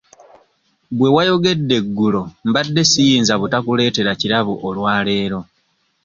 Bwe wayogedde eggulo mbadde siyinza butakuleetera kirabo olwaleero.